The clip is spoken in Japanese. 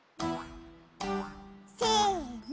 せの！